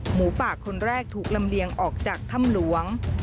หมูป่าคนแรกถูกลำเลียงออกจากถ้ำหลวง